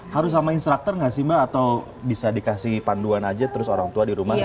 harus sama instructor nggak sih mbak atau bisa dikasih panduan aja terus orang tua di rumah